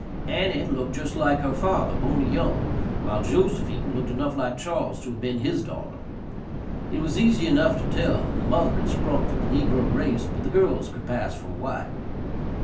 Annie looked just like her father, Boney Young, while Josephine looked enough like Charles to have been his daughter. It was easy enough to tell that the mother had sprung from the negro race, but the girls could pass for white.